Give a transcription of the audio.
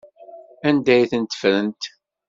Anda ay tent-ffrent?